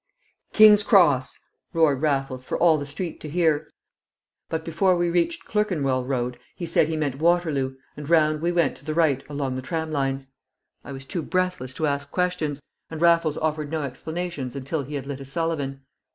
"King's Cross!" roared Raffles for all the street to hear; but before we reached Clerkenwell Road he said he meant Waterloo, and round we went to the right along the tram lines. I was too breathless to ask questions, and Raffles offered no explanations until he had lit a Sullivan.